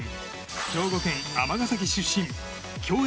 兵庫県尼崎市出身競泳